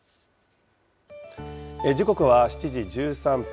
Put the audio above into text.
時刻は７時１３分。